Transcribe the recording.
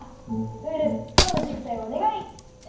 ムールきょうのしょくざいをおねがい！